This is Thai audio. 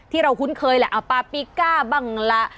ที่เราคุ้นเคยแหละปาปิก้าบังระ